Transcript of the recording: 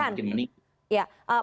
kalau kemudian mungkin menikmati